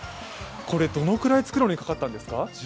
どのくらい、つくるのにかかったんですか？